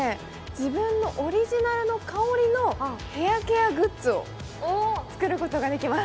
自分のオリジナルの香りのヘアケアグッズを作ることができます